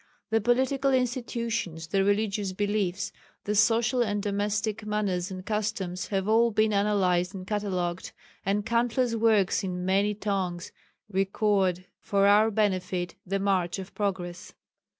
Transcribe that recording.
The political institutions, the religious beliefs, the social and domestic manners and customs have all been analyzed and catalogued, and countless works in many tongues record for our benefit the march of progress.